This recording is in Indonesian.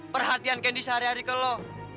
perhatian kendy sehari hari ke lu